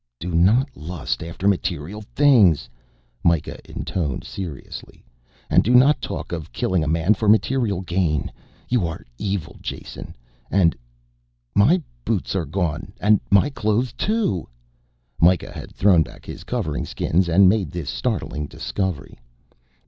"Do not lust after material things," Mikah intoned seriously. "And do not talk of killing a man for material gain. You are evil, Jason, and.... My boots are gone and my clothes, too!" Mikah had thrown back his covering skins and made this startling discovery.